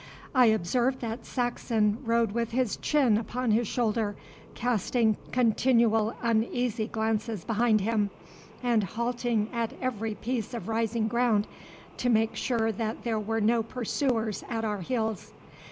I observed that Saxon rode with his chin upon his shoulder, casting continual uneasy glances behind him, and halting at every piece of rising ground to make sure that there were no pursuers at our heels.